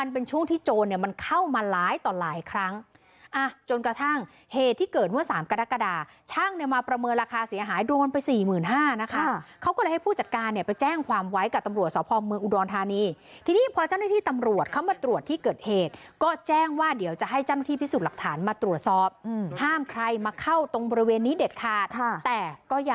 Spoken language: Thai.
เป็นช่วงที่โจรเนี่ยมันเข้ามาร้ายต่อหลายครั้งจนกระทั่งเหตุที่เกิดว่า๓กรกฎาช่างเนี่ยมาประเมินละคราเสียหายโดนไป๔๕๐๐๐นะครับเขาก็ให้ผู้จัดการเนี่ยไปแจ้งความไว้กับตำรวจสอบภอมเมืองอุดรณฑานีที่นี่พอท่าด้วยที่ตำรวจเข้ามาตรวจที่เกิดเหตุก็แจ้งว่าเดี๋ยวจะให้จ้านที่พิสูจน์หลัก